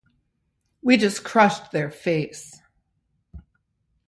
We just crushed their face!